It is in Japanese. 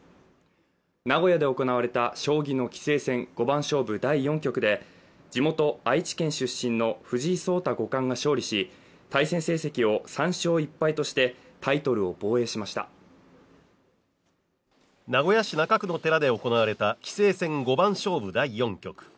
名古屋で行われた将棋の棋聖戦５番勝負第４局で地元愛知県出身の藤井聡太五冠が勝利し対戦成績を３勝１敗としてタイトルを防衛しました名古屋市中区の寺で行われた棋聖戦５番勝負第４局